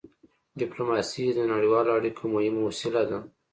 ډيپلوماسي د نړیوالو اړیکو مهمه وسيله ده.